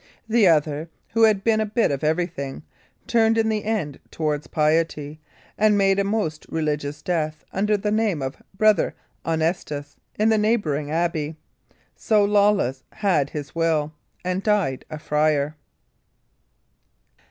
The other, who had been a bit of everything, turned in the end towards piety, and made a most religious death under the name of Brother Honestus in the neighbouring abbey. So Lawless had his will, and died a friar.